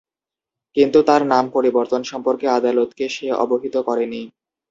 কিন্তু তার নাম পরিবর্তন সম্পর্কে আদালতকে সে অবহিত করেনি।